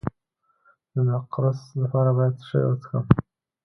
د نقرس لپاره باید څه شی وڅښم؟